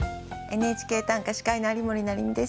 「ＮＨＫ短歌」司会の有森也実です。